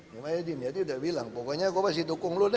pokoknya gue pasti dukung lo deh